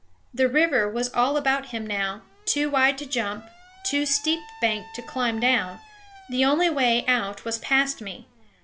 The river was all about him now, too wide to jump, too steep banked to climb down; the only way out was past me.